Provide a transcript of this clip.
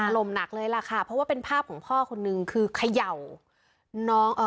ลมหนักเลยล่ะค่ะเพราะว่าเป็นภาพของพ่อคนนึงคือเขย่าน้องเอ่อ